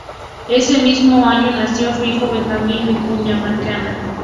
Ese mismo año nació su hijo Benjamín Vicuña Mackenna.